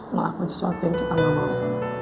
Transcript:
melakukan sesuatu yang kita gak mau